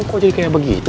kok jadi kayak begitu